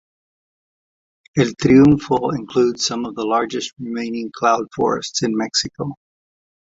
El Triunfo includes some of the largest remaining cloud forests in Mexico.